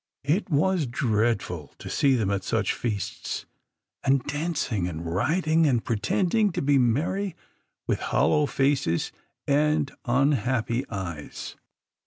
It was dreadful to see them at such feasts, and dancing, and riding, and pretending to be merry with hollow faces and unhappy eyes.